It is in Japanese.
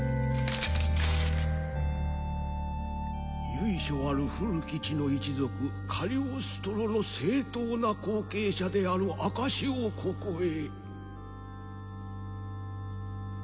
由緒ある古き血の一族カリオストロの正統な後継者である証しをここへ。